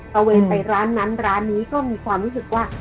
บริเวณประเภทของร้านนั้นร้านนี้ก็มีความรู้สึกว่า